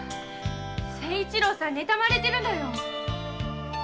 清一郎さんねたまれてるのよ。